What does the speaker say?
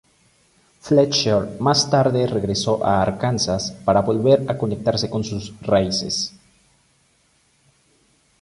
Fletcher más tarde regresó a Arkansas para volver a conectarse con sus raíces.